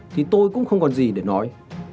thì tôi cũng không còn gì để nói